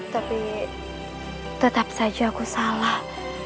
tapi tetap saja aku salah